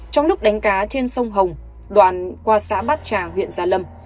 trong lúc đánh cá trên sông hồng đoạn qua xã bát tràng huyện gia lâm